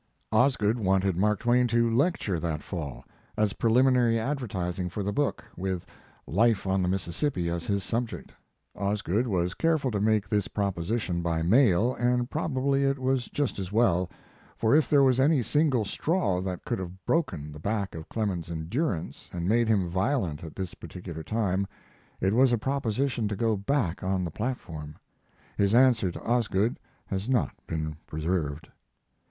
Osgood wanted Mark Twain to lecture that fall, as preliminary advertising for the book, with "Life on the Mississippi" as his subject. Osgood was careful to make this proposition by mail, and probably it was just as well; for if there was any single straw that could have broken the back of Clemens's endurance and made him violent at this particular time, it was a proposition to go back on the platform. His answer to Osgood has not been preserved.